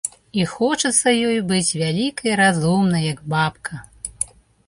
І хочацца ёй быць вялікай і разумнай, як бабка.